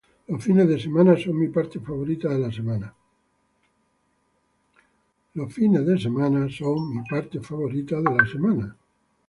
Los fines de semana son mi parte favorita de la semana.